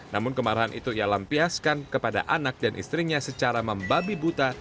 namun kemarahan itu ia lampiaskan kepada anak dan istrinya secara membabi buta